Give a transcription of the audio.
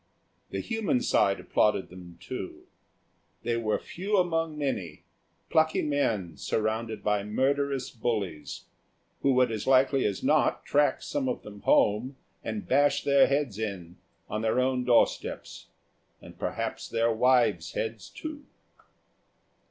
The human side applauded them, too; they were few among many, plucky men surrounded by murderous bullies, who would as likely as not track some of them home and bash their heads in on their own doorsteps, and perhaps their wives' heads too.